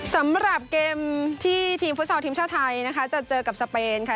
สำหรับเกมที่ทีมฟุตซอลทีมชาติไทยนะคะจะเจอกับสเปนค่ะ